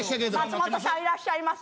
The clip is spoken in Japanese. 松本さんいらっしゃいます。